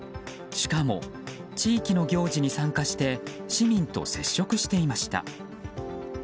しかも地域の行事に参加して市民と接触していました。